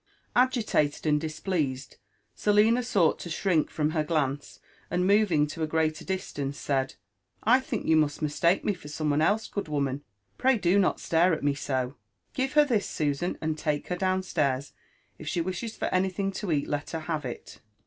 Agitated and displeased, Selina sought to shrink from her glance, andmoying to a greater distance, said, *' I think you most mistake me for some one else, good woman : pray do nol stare at me so. Give her this, Susan, and take her down stairs: if she wishesfor anytliing to eat, let her have it."